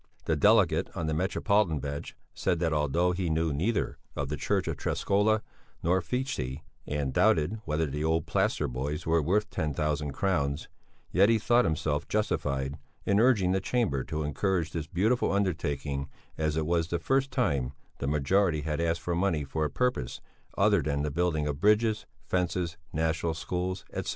The delegate on the Metropolitan bench said that although he knew neither the church of Träskola nor Fichte and doubted whether the old plaster boys were worth ten thousand crowns, yet he thought himself justified in urging the Chamber to encourage this beautiful undertaking as it was the first time the majority had asked for money for a purpose other than the building of bridges, fences, national schools, etc.